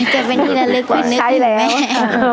เก็บเป็นที่ระลึกคุณนึกถึงไหม